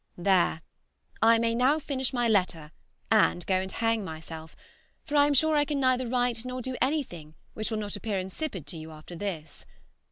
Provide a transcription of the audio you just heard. There! I may now finish my letter and go and hang myself, for I am sure I can neither write nor do anything which will not appear insipid to you after this.